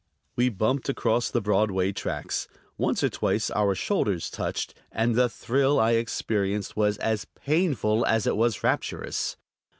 We bumped across the Broadway tracks. Once or twice our shoulders touched, and the thrill I experienced was as painful as it was rapturous.